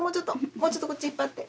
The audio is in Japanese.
もうちょっとこっち引っ張って。